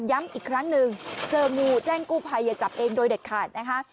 ย้ำอีกครั้งหนึ่งเจองูแจ้งกู้ภัยอย่าจับเองโดยเด็ดขาดนะคะ